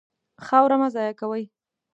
خاوره مه ضایع کوئ.